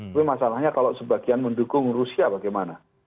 tapi masalahnya kalau sebagian mendukung rusia bagaimana